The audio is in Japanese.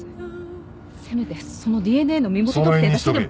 せめてそのＤＮＡの身元特定だけでも。